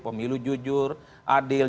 pemilu jujur adil